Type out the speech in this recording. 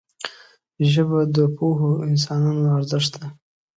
ژبه د پوهو انسانانو ارزښت ده